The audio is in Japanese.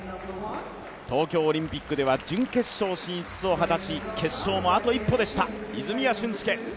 東京オリンピックでは準決勝進出を果たし決勝もあと一歩でした、泉谷駿介。